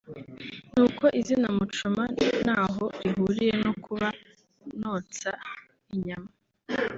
ni uko izina Muchoma ntaho rihuriye no kuba nonsa inyama